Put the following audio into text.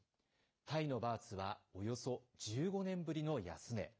タイのバーツはおよそ１５年ぶりの安値。